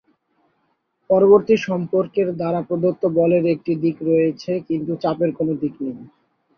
পূর্ববর্তী সম্পর্কের দ্বারা প্রদত্ত বলের একটি দিক রয়েছে, কিন্তু চাপের কোন দিক নেই।